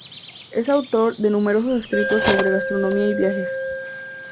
Es autor de numerosos escritos sobre gastronomía y viajes.